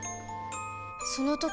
その時